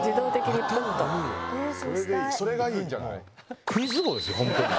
それがいいんじゃない？